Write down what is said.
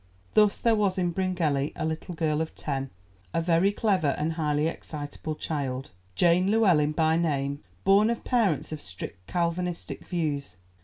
Thus there was in Bryngelly a little girl of ten, a very clever and highly excitable child, Jane Llewellyn by name, born of parents of strict Calvinistic views.